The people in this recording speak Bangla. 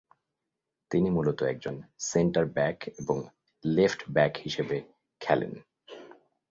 তিনি মূলত একজন সেন্টার-ব্যাক এবং লেফট-ব্যাক হিসেবে খেলেন।